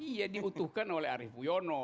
iya diutuhkan oleh arief buyono